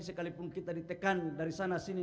sekalipun kita ditekan dari sana sini